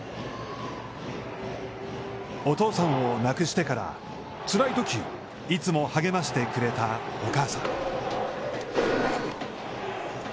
お父さんを亡くしてから、辛いとき、いつも励ましてくれたお母さん。